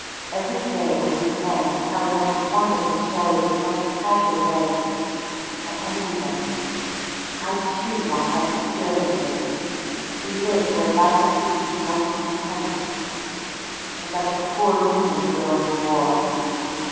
Every day I meet men who tell the most wonderful stories in the most casual way. I envy them. I too want to have experiences, to live where life's beat is most intense. But that's a poor reason for going to war.